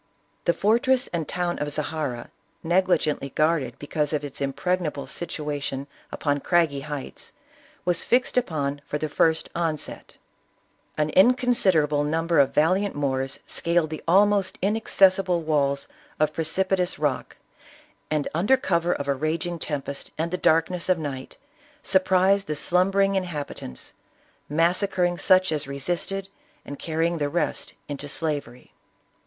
The fortress and town of Zahara, negligently guarded because of its impregnable situation upon craggy heights, was fixed upon for the first onset. An inconsiderable num ber of valiant Moors scaled the almost inaccessible walls of precipitous rock, and, under cover of a raging tempest and the darkness of night, surprised the slum bering inhabitants, massacring such as resisted, and carrying the rest into slavery.